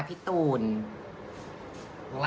ก็ไม่รู้ว่าจะหามาได้จะบวชก่อนเบียดหรือเปล่า